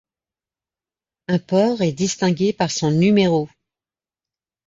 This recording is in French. Un port est distingué par son numéro.